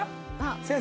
先生？